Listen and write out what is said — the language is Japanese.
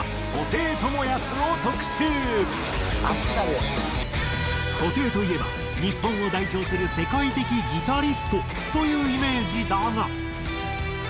布袋といえば日本を代表する世界的ギタリストというイメージだが。